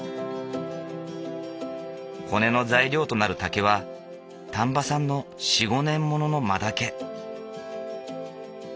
骨の材料となる竹は丹波産の４５年ものの真竹。